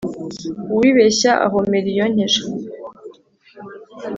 Uwibeshya ahomera iyonkeje.